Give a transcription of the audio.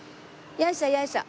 よいしょよいしょ。